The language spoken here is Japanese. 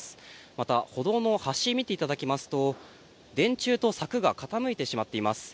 また、歩道の端を見ていただきますと電柱と柵が傾いてしまっています。